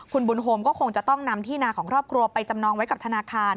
คุณบุญโฮมก็คงจะต้องนำที่นาของครอบครัวไปจำนองไว้กับธนาคาร